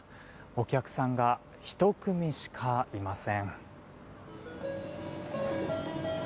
お客さんが１組しかいません。